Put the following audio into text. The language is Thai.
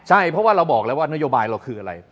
ใช่เพราะว่าเราบอกแล้วว่านโยบายเราคืออะไร